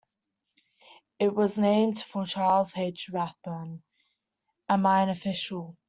It was named for Charles H. Rathbun, a mine official.